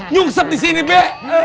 nyungsep disini be